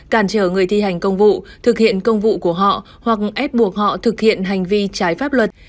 cản trở người thi hành công vụ thực hiện công vụ của họ hoặc ép buộc họ thực hiện hành vi trái pháp luật